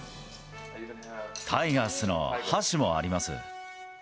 タイガースの箸もあります。